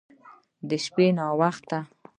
د شپې ناوخته